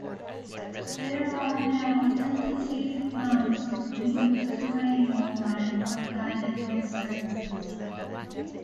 There are now tentative plans to use the railway line for guided bus services.